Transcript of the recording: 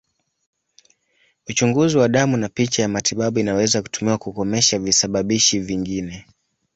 Uchunguzi wa damu na picha ya matibabu inaweza kutumiwa kukomesha visababishi vingine.